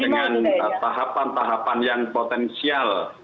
dengan tahapan tahapan yang potensial